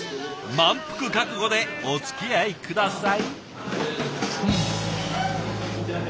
満腹覚悟でおつきあい下さい。